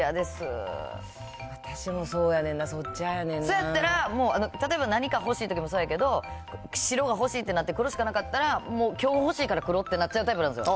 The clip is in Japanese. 私もそうやねんな、そやったら、例えば何か欲しいときもそうやけど、白が欲しいと思って黒しかなかったら、もう、きょう欲しいから黒ってなっちゃうタイプなんですよ。